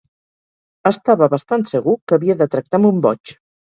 Estava bastant segur que havia de tractar amb un boig.